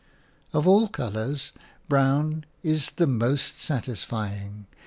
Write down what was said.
Of all colours, brown is the most satisfying.